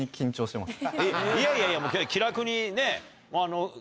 いやいやいや気楽にね。